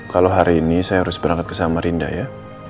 kalau hari ini saya harus berangkat ke samarinda ya